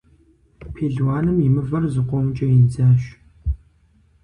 Пелуаным и мывэр зыкъомкӏэ идзащ.